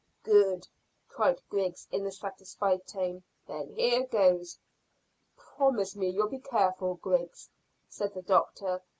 "Good," cried Griggs, in a satisfied tone. "Then here goes." "Promise me you'll be careful, Griggs," said the doctor.